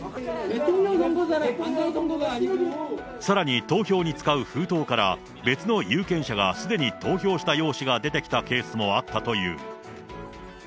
さらに投票に使う封筒から、別の有権者がすでに投票した用紙が出てきたケースもあったという。